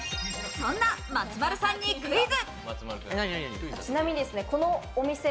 そんな松丸さんにクイズ！